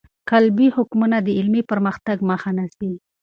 قالبي حکمونه د علمي پرمختګ مخه نیسي.